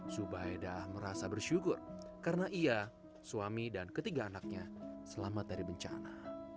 zubaidah merasa bersyukur karena ia suami dan ketiga anaknya selamat dari bencana